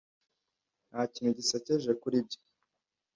Nta kintu gisekeje kuri ibyo.